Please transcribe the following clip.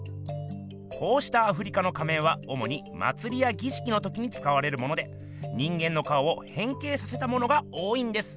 こうしたアフリカの仮面はおもにまつりやぎしきのときにつかわれるもので人間の顔をへん形させたものが多いんです。